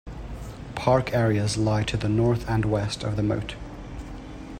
Park areas lie to the north and west of the moat.